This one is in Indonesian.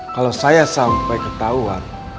kalau saya sampai ketahuan